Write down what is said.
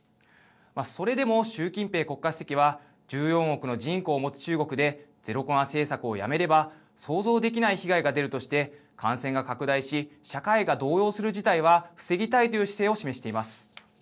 それでも習近平国家主席は１４億の人口を持つ中国でゼロコロナ政策をやめれば想像できない被害が出るとして感染が拡大し社会が動揺する事態は防ぎたいという姿勢を示しています。